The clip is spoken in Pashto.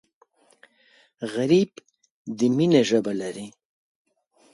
غریب د مینې ژبه لري